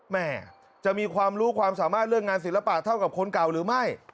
แม่จะมีความรู้ความสามารถเรื่องงานศิลปะเท่ากับคนเก่าหรือไม่